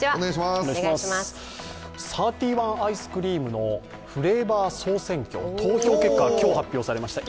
サーティワンアイスクリームのフレーバー総選挙、投票結果が今日、公表されました。